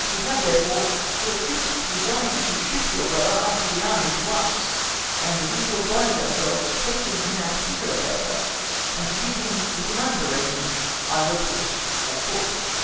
We have, therefore, thought fit to desire you to shift your brother up to the army to us, and we do oblige ourselves to take him into our particular favor, and to give him the com mand of a regiment either of horse or foot.